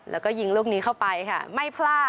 แล้วก็ยิงลูกนี้เข้าไปค่ะไม่พลาด